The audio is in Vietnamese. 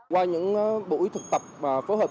qua những buổi thực tập phối hợp